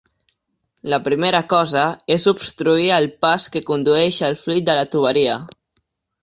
La primera cosa és obstruir el pas que condueix el fluid de la tuberia